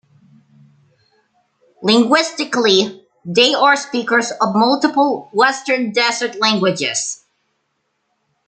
Linguistically, they are speakers of multiple Western Desert Languages.